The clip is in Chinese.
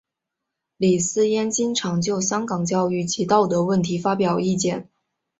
李偲嫣经常就香港教育及道德问题发表意见。